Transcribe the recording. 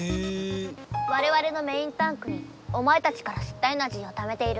われわれのメインタンクにお前たちからすったエナジーをためている。